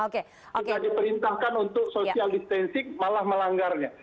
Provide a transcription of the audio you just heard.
tidak diperintahkan untuk social distancing malah melanggarnya